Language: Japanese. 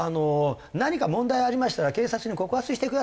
「何か問題ありましたら警察に告発してください」